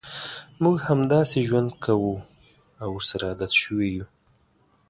موږ همداسې ژوند کوو او ورسره عادت شوي یوو.